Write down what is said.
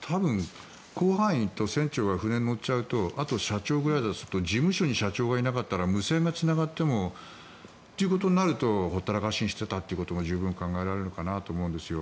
多分、甲板員と船長が船に乗っちゃうとあと社長ぐらいだとすると事務所に社長がいなかったら無線がつながってもということになるとほったらかしにしていたことも十分考えられるかなと思うんですよ。